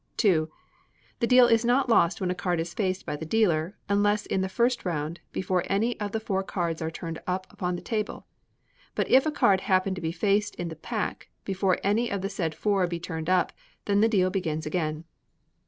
ii. The deal is not lost when a card is faced by the dealer, unless in the first round, before any of the four cards are turned up upon the table; but if a card happen to be faced in the pack, before any of the said four be turned up, then the deal begins again.